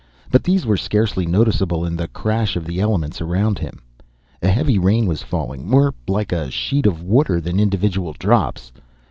But these were scarcely noticeable in the crash of the elements around him. A heavy rain was falling, more like a sheet of water than individual drops.